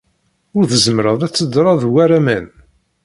Ur tzemmreḍ ad teddreḍ war aman.